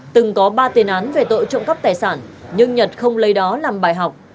từng có ba tiền án về tội trộm cắp tài sản nhưng nhật không lấy đó làm bài học